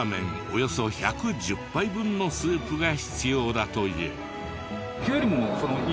およそ１１０杯分のスープが必要だという。